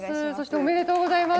ありがとうございます。